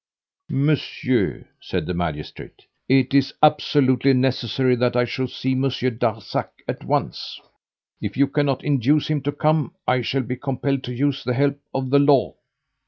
"Monsieur," said the magistrate, "it is absolutely necessary that I should see Monsieur Darzac at once. If you cannot induce him to come, I shall be compelled to use the help of the law."